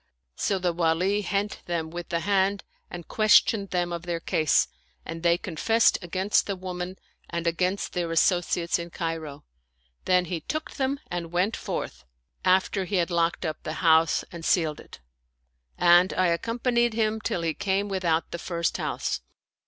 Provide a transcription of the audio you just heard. So the Wali hent them with the hand and ques tioned them of their case, and they confessed against the woman and against their associates in Cairo. Then he took them and went forth, after he had locked up the house and 167 Oriental Mystery Stories sealed it; and I accompanied him till he came without the first house.